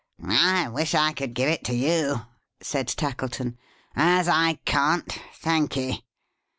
"I wish I could give it to you," said Tackleton. "As I can't; thank'ee.